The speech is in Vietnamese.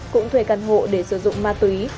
cũng thuê căn hộ để sử dụng ma túy